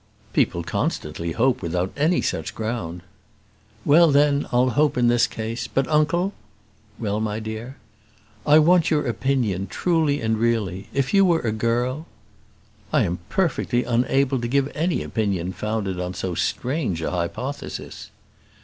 "People constantly hope without any such ground." "Well, then, I'll hope in this case. But, uncle " "Well, my dear?" "I want your opinion, truly and really. If you were a girl " "I am perfectly unable to give any opinion founded on so strange an hypothesis."